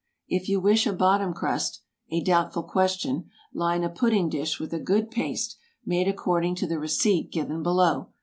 If you wish a bottom crust—a doubtful question—line a pudding dish with a good paste, made according to the receipt given below.